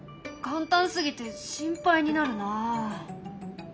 簡単すぎて心配になるな。